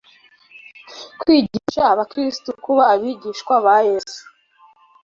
kwigisha abakristo kuba abigishwa ba Yesu,